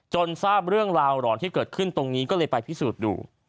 ทราบเรื่องราวหลอนที่เกิดขึ้นตรงนี้ก็เลยไปพิสูจน์ดู